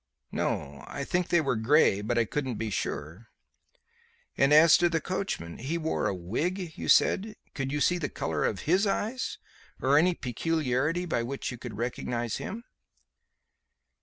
"No. I think they were grey, but I couldn't be sure." "And as to the coachman. He wore a wig, you said. Could you see the colour of his eyes? Or any peculiarity by which you could recognize him?"